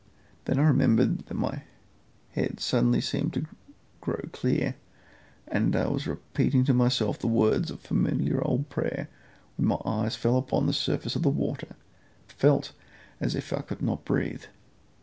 Then I remember that my head suddenly seemed to grow clear, and I was repeating to myself the words of a familiar old prayer when my eyes fell upon the surface of the water, and I felt as if I could not breathe.